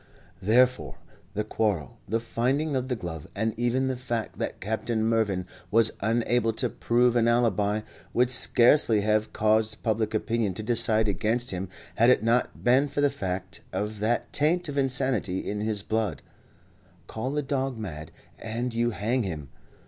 Therefore, the quarrel, the finding of the glove, and even the fact that Captain Mervyn was unable to prove an alibi, would scarcely have caused public opinion to decide against him had it not been for the fact of that taint of insanity in his blood. Call a dog mad and you hang him.